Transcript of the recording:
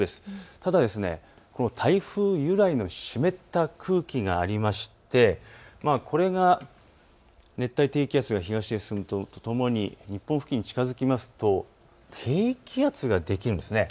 ただ台風由来の湿った空気がありましてこれが熱帯低気圧が東へ進むとともに日本付近に近づきますと低気圧ができるんです。